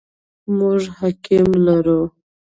موږ حکیم لرو ؟